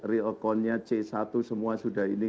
realkonnya c satu semua sudah ini